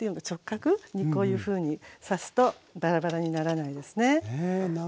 直角にこういうふうに刺すとバラバラにならないですね。